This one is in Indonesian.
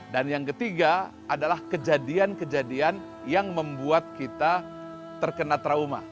dan yang ketiga adalah kejadian kejadian yang membuat kita terkena trauma